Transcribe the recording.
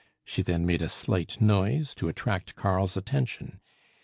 She then made a slight noise to attract Karl's attention.